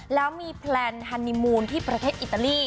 แล้วมีแพลนฮันนิมูลที่ประเทศอิตาลี